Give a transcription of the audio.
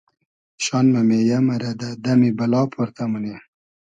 شان مۂ مېیۂ مرۂ دۂ دئمی بئلا پۉرتۂ مونی